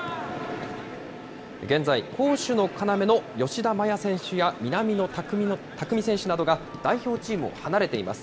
現在、攻守の要の吉田麻也選手や南野拓実選手などが代表チームを離れています。